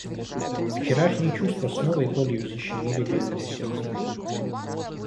Вчерашние чувства с новой болью защемили больное сердце.